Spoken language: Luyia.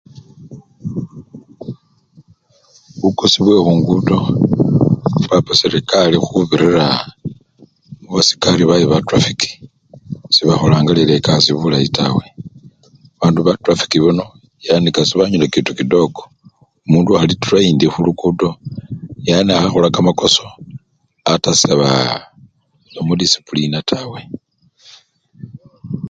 Bukosi bwekhungudo, papa serekari mukhubirira mubasikari babwe ba trafiki, sebakholanga lelo ekasii bulayi tawe, bandu batrafiki bano yani kasita obanyolila kitu kidogo, omundu okhali treyinidi khulukuto yani kakhakhola kamakoso ata sebaa! seba mudisipulina tawe.